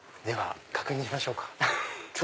では確認しましょうか。